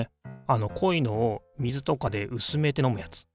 あのこいのを水とかでうすめて飲むやつ。